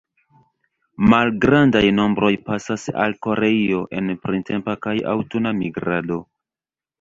Malgrandaj nombroj pasas al Koreio en printempa kaj aŭtuna migrado.